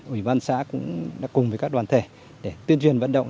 ủy ban xã cũng đã cùng với các đoàn thể để tuyên truyền vận động